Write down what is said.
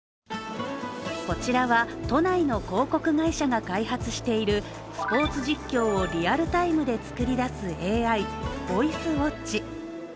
こちらは都内の広告会社が開発しているスポーツ実況をリアルタイムで作り出すＡＩ、ＶＯＩＣＥＷＡＴＣＨ。